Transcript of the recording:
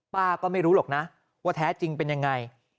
ป้าก็ไม่รู้หรอกนะว่าแท้จริงเป็นยังไง